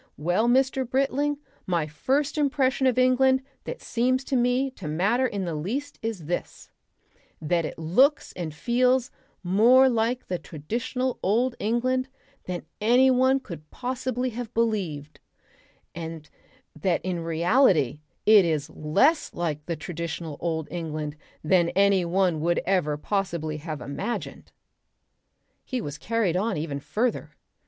Well, Mr. Britling, my first impression of England that seems to me to matter in the least is this: that it looks and feels more like the traditional Old England than any one could possibly have believed, and that in reality it is less like the traditional Old England than any one would ever possibly have imagined." He was carried on even further.